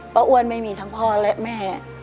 อ้วนไม่มีทั้งพ่อและแม่